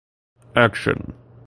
Action!